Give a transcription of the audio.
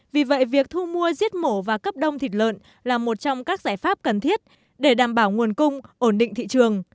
vì vậy việc thu mua giết mổ và cấp đông thịt lợn là một trong các giải pháp cần thiết để đảm bảo nguồn cung ổn định thị trường